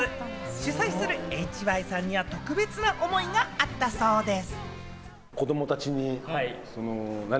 主催するＨＹさんには特別な思いがあったそうです。